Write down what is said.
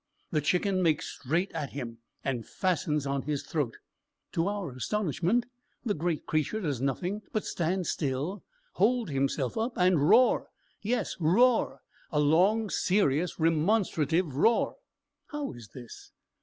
The Chicken makes straight at him, and fastens on his throat. To our astonishment, the great creature does nothing but stand still, hold himself up, and roar yes, roar; a long, serious, remonstrative roar. How is this?